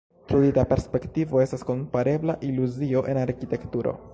Trudita perspektivo estas komparebla iluzio en arkitekturo.